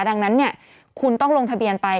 ดังนั้นคุณต้องลงทะเบียนไป